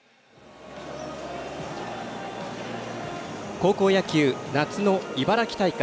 高校野球、夏の茨城大会。